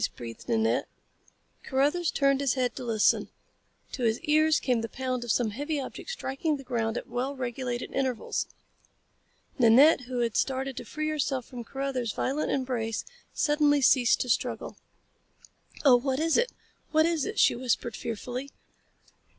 breathed Nanette. Carruthers turned his head to listen. To his ears came the pound of some heavy object striking the ground at well regulated intervals. Nanette, who had started to free herself from Carruthers violent embrace, suddenly ceased to struggle. "Oh, what is it? What is it?" she whispered fearfully.